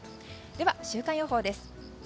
では週間予報です。